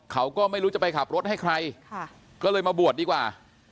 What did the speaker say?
เขาก็ไม่รู้จะไปขับรถให้ใครก็เลยมาบวชดีกว่า